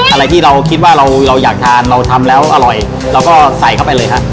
อะไรที่เราคิดว่าเราเราอยากทานเราทำแล้วอร่อยเราก็ใส่เข้าไปเลยฮะ